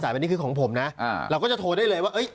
สายแบบนี้คือของผมนะอ่าเราก็จะโทรได้เลยว่าเอ้ย